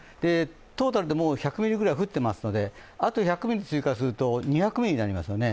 トータルで１００ミリぐらい降っていますので、あと１００ミリ追加すると２００ミリになりますよね。